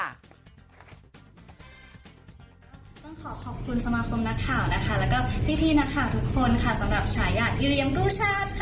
ต้องขอขอบคุณสมาคมนักข่าวนะคะแล้วก็พี่นักข่าวทุกคนค่ะ